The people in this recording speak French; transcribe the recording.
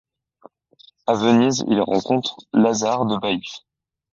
A Venise, il rencontre Lazare de Baïf.